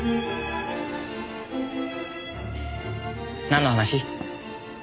なんの話？